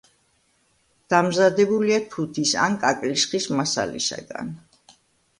დამზადებულია თუთის ან კაკლის ხის მასალისაგან.